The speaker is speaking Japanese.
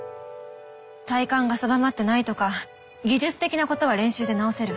体幹が定まってないとか技術的なことは練習で直せる。